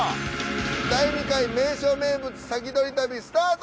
第２回「名所名物先取り旅」スタート！